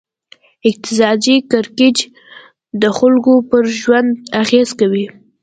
اقتصادي کړکېچ د خلکو پر ژوند اغېز کوي.